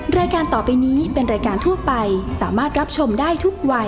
รายการต่อไปนี้เป็นรายการทั่วไปสามารถรับชมได้ทุกวัย